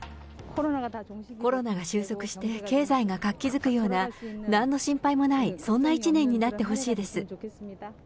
コロナが収束して経済が活気づくような、なんの心配もない、そんな一年になってほしいです。